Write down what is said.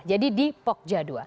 jadi di pokja dua